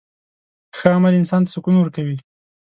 ښه عمل انسان ته سکون ورکوي.